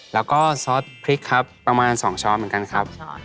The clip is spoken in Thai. แล้วก็ซอสพริกครับประมาณ๒ช้อนเหมือนกันครับ